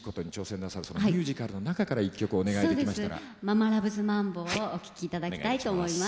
「ママ・ラヴズ・マンボ」をお聴きいただきたいと思います。